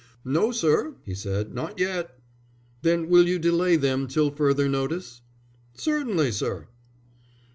"No, sir," he said. "Not yet." "Then will you delay them till further notice?" "Certainly, sir."